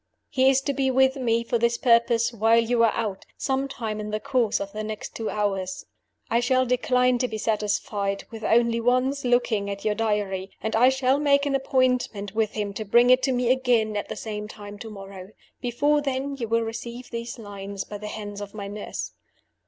"He is to be with me, for this purpose (while you are out), some time in the course of the next two hours I shall decline to be satisfied with only once looking at your Diary; and I shall make an appointment with him to bring it to me again at the same time to morrow. Before then you will receive these lines by the hand of my nurse.